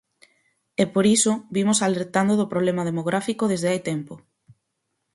E por iso vimos alertando do problema demográfico desde hai tempo.